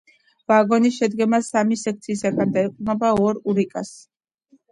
ვაგონი შედგება სამი სექციისგან და ეყრდნობა ორ ურიკას.